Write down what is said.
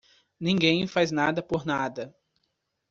Ninguém faz nada por nada.